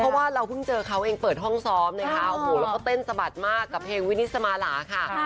เพราะว่าเราเพิ่งเจอเขาเองเปิดห้องซ้อมนะคะโอ้โหแล้วก็เต้นสะบัดมากกับเพลงวินิสมาหลาค่ะ